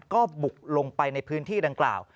ก็บุกลงไปในพื้นที่ดังกล่าว